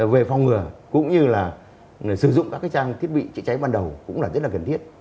về phòng ngừa cũng như là sử dụng các trang thiết bị chữa cháy ban đầu cũng là rất là cần thiết